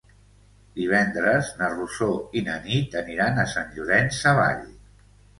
Divendres na Rosó i na Nit aniran a Sant Llorenç Savall.